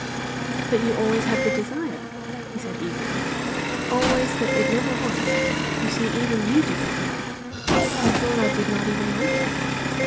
"But you always had the desire!" he said eagerly. "Always, but it never won. You see, even you did not know of it. You thought I did not even like you!